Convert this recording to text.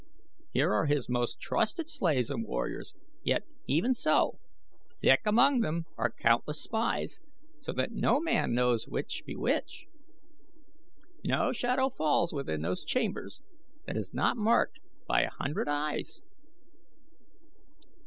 Here are his most trusted slaves and warriors, yet even so, thick among them are countless spies, so that no man knows which be which. No shadow falls within those chambers that is not marked by a hundred eyes."